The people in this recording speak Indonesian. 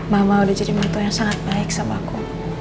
mama udah jadi mutu yang sangat baik sama aku